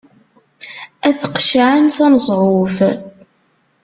Ad t-qeccɛen s aneẓruf.